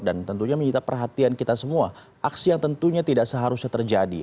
dan tentunya menyita perhatian kita semua aksi yang tentunya tidak seharusnya terjadi